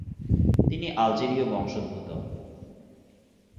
তিনি আলজেরীয় বংশোদ্ভূত।